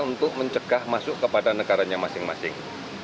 untuk mencegah masuk kepada negaranya masing masing